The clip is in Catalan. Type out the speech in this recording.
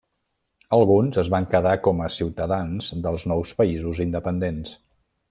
Alguns es van quedar com a ciutadans dels nous països independents.